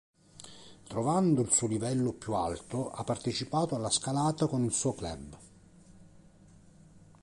Trovando il suo livello più alto, ha partecipato alla scalata con il suo club.